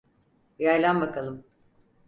Yaylan bakalım.